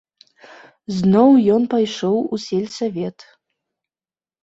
Зноў ён пайшоў у сельсавет.